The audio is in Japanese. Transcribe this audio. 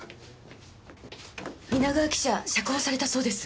皆川記者釈放されたそうです。